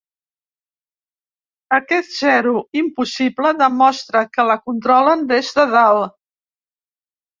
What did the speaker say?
Aquest zero impossible demostra que la controlen des de dalt.